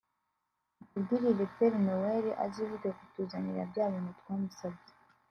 mutubwirire Père Noël azibuke kutuzanira bya bintu twamusabye